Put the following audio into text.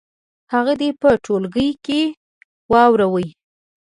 هغه دې په ټولګي کې واوروي.